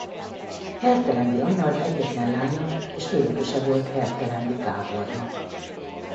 Hertelendy Anna az egyetlen lánya és örököse volt Hertelendy Gábornak.